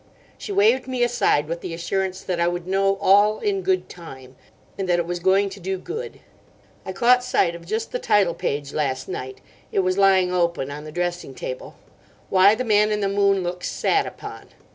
She waved me aside with the assurance that I would know 'all in good time,' and that it was going to do good. I caught sight of just the title page last night. It was lying open on the dressing table: 'Why the Man in the Moon looks sat upon.